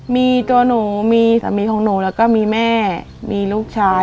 มีตัวหนูมีสามีของหนูแล้วก็มีแม่มีลูกชาย